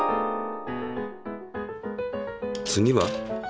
次は？